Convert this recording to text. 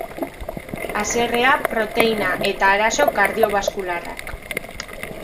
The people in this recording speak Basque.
Haserrea, proteina eta arazo kardiobaskularrak